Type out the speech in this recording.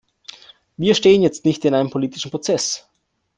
Wir stehen jetzt nicht in einem politischen Prozess.